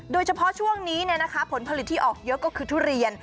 โดยเฉพาะช่วงนี้ผลผลิตที่ออกเยอะก็คือทุเรียน